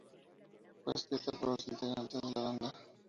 Fue escrita por los integrantes de la banda.